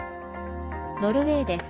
ノルウェーです。